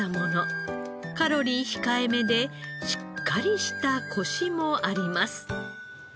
カロリー控えめでしっかりしたコシもあります。